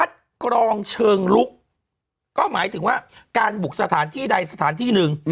กรองเชิงลุกก็หมายถึงว่าการบุกสถานที่ใดสถานที่หนึ่ง